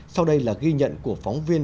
sau đây là ghi nhận của phóng viên